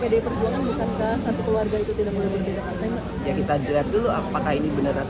di pd perjuangan bukankah satu keluarga itu tidak menerima partai